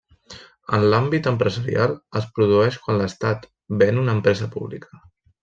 En l'àmbit empresarial, es produeix quan l'estat ven una empresa pública.